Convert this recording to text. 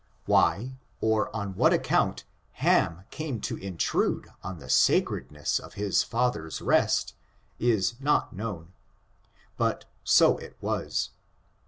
Why, or on what account. Ham came to intrude on the sacredness of his father's rest, is not known ; but so it was.